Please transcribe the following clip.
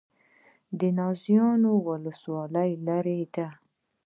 نازیانو ولسوالۍ لیرې ده؟